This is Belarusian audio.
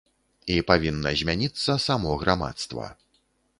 І павінна змяніцца само грамадства.